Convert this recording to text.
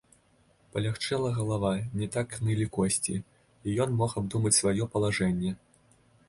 Палягчэла галава, не так нылі косці, і ён мог абдумаць сваё палажэнне.